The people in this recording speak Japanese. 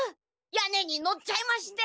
屋根にのっちゃいまして。